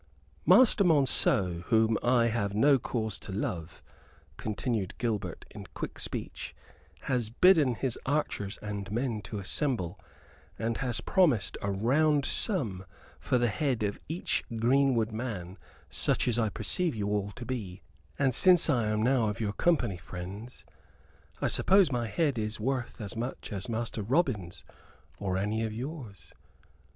"Master Monceux, whom I have no cause to love," continued Gilbert, in quick speech, "has bidden his archers and men to assemble, and has promised a round sum for the head of each greenwood man, such as I perceive you all to be, and since I am now of your company, friends, I suppose my head is worth as much as Master Robin's or any of yours?